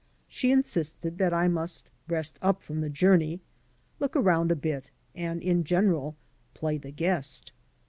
She insisted that I must rest up from the journey, look around a bit, and in general play the guest.